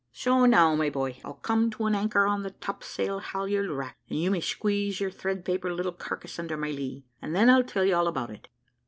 "So now, my boy, I'll come to an anchor on the top sail halyard rack, and you may squeeze your thread paper little carcass under my lee, and then I'll tell you all about it.